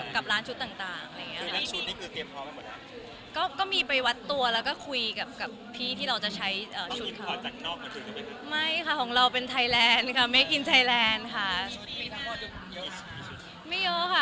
กับร้านชุดต่างและที่ยังไม่เยอะค่ะ